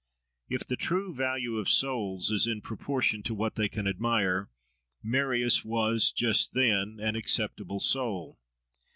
If the true value of souls is in proportion to what they can admire, Marius was just then an acceptable soul.